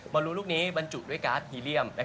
บรรจุด้วยการ์ดฮีเรียม